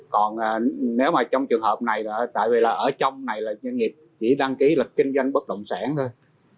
còn nếu trong trường hợp này tại vì ở trong này doanh nghiệp chỉ đăng ký lịch kinh doanh bất động sản thôi